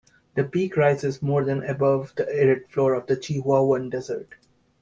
The peak rises more than above the arid floor of the Chihuahuan Desert.